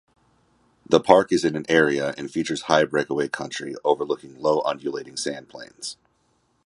The park is in area and features high breakaway country overlooking low undulating sandplains.